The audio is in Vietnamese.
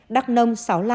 đắk nông sáu mươi năm